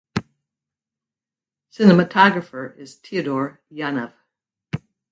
Cinematographer is Teodor Yanev.